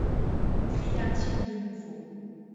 cria-t-il de nouveau.